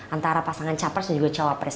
antara pasangan capres dan juga cawa pres